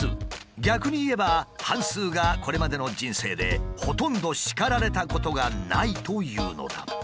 逆にいえば半数がこれまでの人生でほとんど叱られたことがないというのだ。